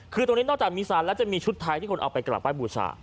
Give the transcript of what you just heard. คือตรงนี้นอกจากมีสารแล้วจะมีชุดไทยที่คนเอาไปกลับไห้บูชา